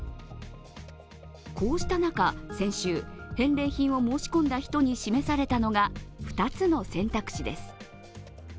こうした中、先週、返礼品を申し込んだ人に示されたのが２つの選択肢です。